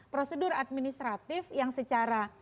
prosedur administratif yang secara